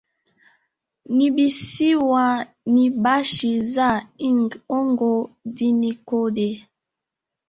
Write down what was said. Nibisiwa mibachi za ing'ongo dhinikodhee